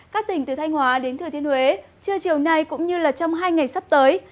các tỉnh từ thanh hóa đến thừa thiên huế trưa chiều nay cũng như trong hai ngày sắp tới